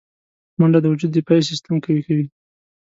منډه د وجود دفاعي سیستم قوي کوي